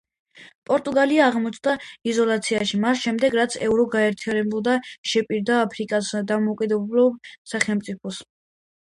პორტუგალია აღმოჩნდა იზოლაციაში მას შემდეგ რაც ევრო გაერთიანება შეპირდა აფრიკას დამოუკიდებელ სახელმწიფოებს.